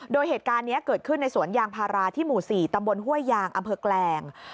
โดยเหตุการณ์นี้เกิดขึ้นในสวนยางพาราที่หมู่๔ตำบลห้วยยางอำเภอแกลง